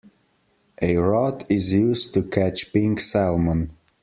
A rod is used to catch pink salmon.